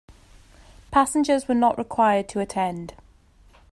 Passengers were not required to attend.